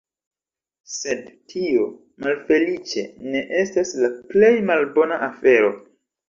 Sed tio, malfeliĉe, ne estas la plej malbona afero.